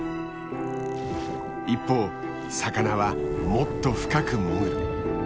一方魚はもっと深く潜る。